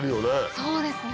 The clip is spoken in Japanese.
そうですね。